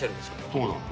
そうなの。